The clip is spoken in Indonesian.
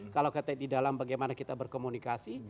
kalau di dalam bagaimana kita berkomunikasi